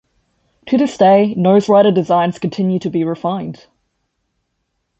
To this day, noserider designs continue to be refined.